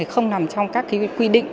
không nằm trong các quy định